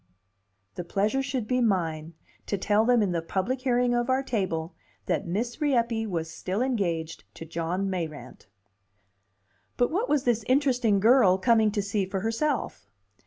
The pleasure should be mine to tell them in the public hearing of our table that Miss Rieppe was still engaged to John Mayrant. But what was this interesting girl coming to see for herself?